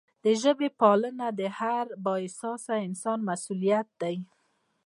د ژبې پالنه د هر با احساسه انسان مسؤلیت دی.